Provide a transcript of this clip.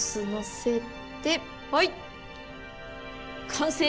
完成！